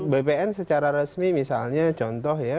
bpn secara resmi misalnya contoh ya